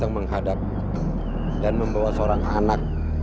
jangan lupa untuk berikan duit